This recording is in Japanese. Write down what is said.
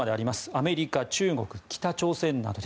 アメリカ、中国、北朝鮮など。